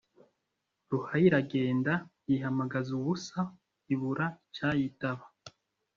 ruhaya iragenda, yihamagaza ubusa ibura icyayitaba.